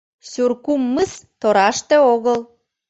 Сюркум мыс тораште огыл.